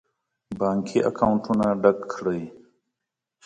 بانکي اکاونټونه ډک کړي.